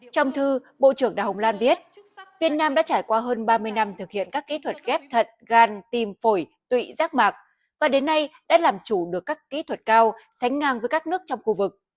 trong thư bộ trưởng đào hồng lan biết việt nam đã trải qua hơn ba mươi năm thực hiện các kỹ thuật ghép thận gan tim phổi tụy rác mạc và đến nay đã làm chủ được các kỹ thuật cao sánh ngang với các nước trong khu vực